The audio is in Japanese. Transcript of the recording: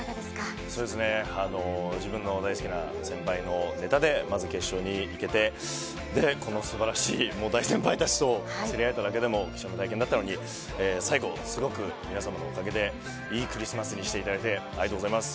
自分の大好きな先輩のネタでまず、決勝に行けて、このすばらしい大先輩たちと競り合えただけでも、貴重な体験だったのに、最後、すごく皆様のおかげで、いいクリスマスにしていただけて、ありがとうございます。